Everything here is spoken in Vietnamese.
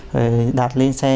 rồi đạt lên xe